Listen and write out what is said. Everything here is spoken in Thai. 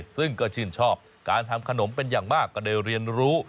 ซึ่งก็ชื่นชอบการทำขนมเป็นอย่างมากก็ได้เรียนรู้